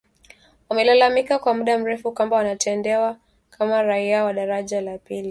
Wamelalamika kwa muda mrefu kwamba wanatendewa kama raia wa daraja la pili